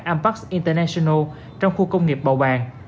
ampax international trong khu công nghiệp bầu bàng